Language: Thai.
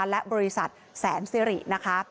และบริษัทแสนสิรินะคะ